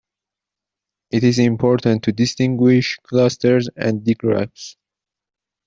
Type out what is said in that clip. It is important to distinguish clusters and digraphs.